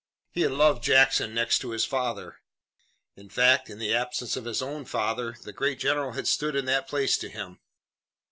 He had loved Jackson next to his father. In fact, in the absence of his own father the great general had stood in that place to him.